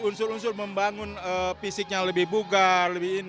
unsur unsur membangun fisik yang lebih bugar